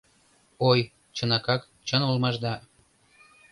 Ой, чынакак, чын улмаш да, -